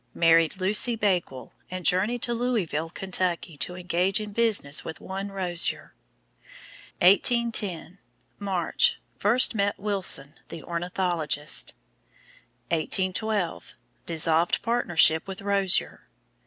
Married Lucy Bakewell, and journeyed to Louisville, Kentucky, to engage in business with one Rozier. 1810 March. First met Wilson, the ornithologist. 1812 Dissolved partnership with Rozier.